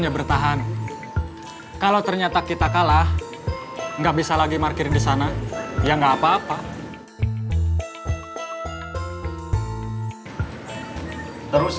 ya bertahan kalau ternyata kita kalah nggak bisa lagi markir di sana ya nggak apa apa terus